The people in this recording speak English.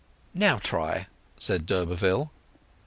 "Now try," said d'Urberville.